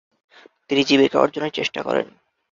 তিনি জীবিকা অর্জনের চেষ্টা করেন।